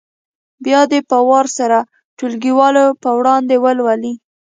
بیا دې په وار سره ټولګیوالو په وړاندې ولولي.